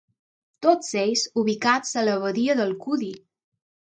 Tots ells ubicats a la Badia d'Alcúdia.